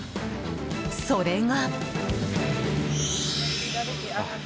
それが。